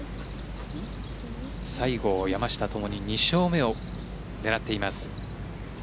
西郷、山下共に２勝目を狙っています。